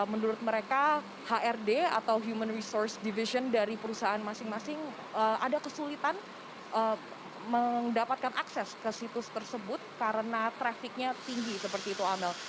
menurut mereka hrd atau human resource division dari perusahaan masing masing ada kesulitan mendapatkan akses ke situs tersebut karena trafficnya tinggi seperti itu amel